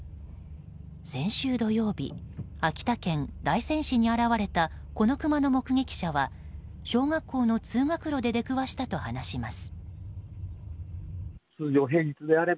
先週土曜日秋田県大仙市に現れたこのクマの目撃者は小学校の通学路で出くわしたと話します。